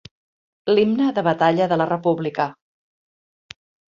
L'himne de batalla de la república.